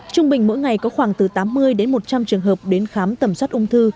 trung bình mỗi ngày có khoảng từ tám mươi đến một trăm linh trường hợp đến khám tầm soát ung thư